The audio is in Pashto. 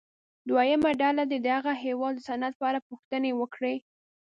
دویمه ډله دې د هغه هېواد د صنعت په اړه پوښتنې وکړي.